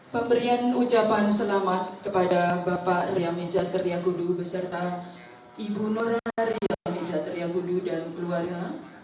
pembelian ucapan selamat kepada bapak riam nijat karyakudu beserta ibu nora riam nijat karyakudu dan keluarga